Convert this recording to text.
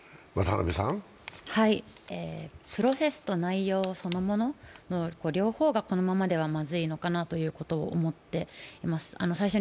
プロセスと内容そのものの両方がこのままではまずいのかなということを思っています。